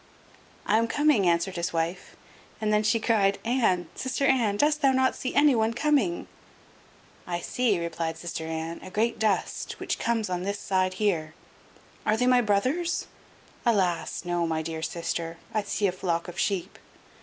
"I am coming," answered his wife; and then she cried, "Anne, sister Anne, dost thou not see anyone coming?" "I see," replied sister Anne, "a great dust, which comes on this side here." "Are they my brothers?" "Alas! no, my dear sister, I see a flock of sheep."